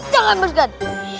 jangan mas gad